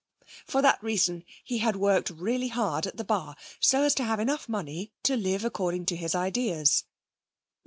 For that reason he had worked really hard at the Bar so as to have enough money to live according to his ideas.